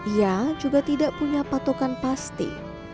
ia juga tidak punya patokan pasti